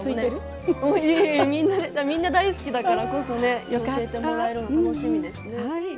みんな大好きだから洋食教えてもらえるの楽しみですね。